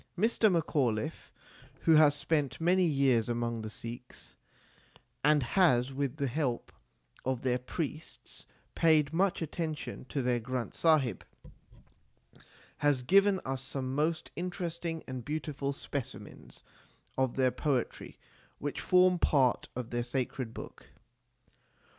Mr. Macauliffe, who has spent many years among the Sikhs, and has with the help of their priests paid much attention to their Granth Sahib, has given us some most interesting and beautiful specimens of their poetry which form part of their sacred book.